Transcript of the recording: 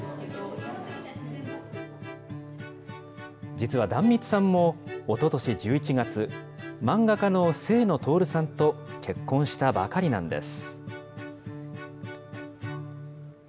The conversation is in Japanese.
実は、壇蜜さんもおととし１１月、漫画家の清野とおるさんと結婚したばかりなんです。